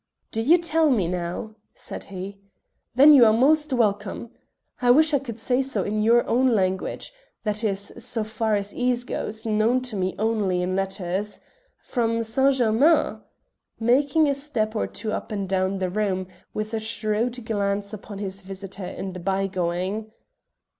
"Do you tell me, now?" said he. "Then you are the more welcome. I wish I could say so in your own language that is, so far as ease goes, known to me only in letters. From Saint Germains " making a step or two up and down the room, with a shrewd glance upon his visitor in the bygoing.